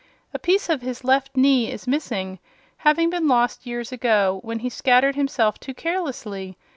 A piece of his left knee is missing, having been lost years ago when he scattered himself too carelessly.